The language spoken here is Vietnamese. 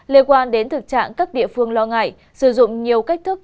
liên quan đến thực trạng các địa phương lo ngại sử dụng nhiều cách thức